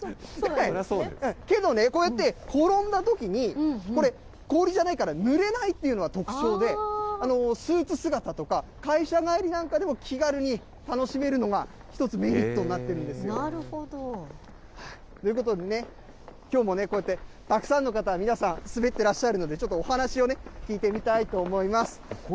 けどね、こうやって転んだときに、これ、氷じゃないからぬれないっていうのが特徴で、スーツ姿とか、会社帰りなんかでも、気軽に楽しめるのが、１つメリットになってるんですよ。ということでね、きょうもこうやってたくさんの方、皆さん、滑ってらっしゃるので、ちょっとお話をね、聞いてみたいと思います。